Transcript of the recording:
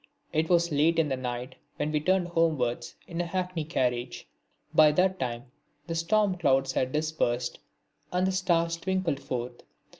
It was late in the night when we turned homewards in a hackney carriage. By that time the storm clouds had dispersed and the stars twinkled forth.